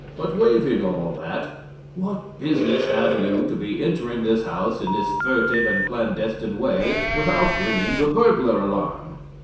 But waiving all that, what business have you to be entering this house in this furtive and clandestine way, without ringing the burglar alarm?'